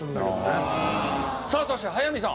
さあそして早見さん。